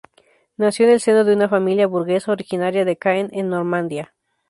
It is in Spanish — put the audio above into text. Nació en el seno de una familia burguesa originaria de Caen en Normandía.